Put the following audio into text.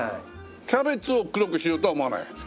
キャベツを黒くしようとは思わない？